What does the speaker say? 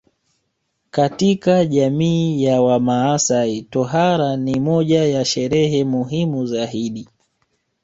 Katika jamii ya wamaasai tohara ni moja ya sherehe muhimu zaidi